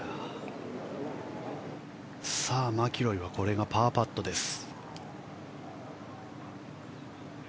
マキロイはこれがパーパットです。